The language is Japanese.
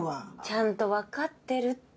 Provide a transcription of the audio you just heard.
ちゃんとわかってるって。